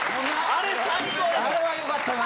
あれは良かったな！